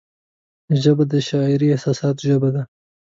ژبه د شعري احساساتو ژبه ده